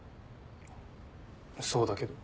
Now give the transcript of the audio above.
そうだけど。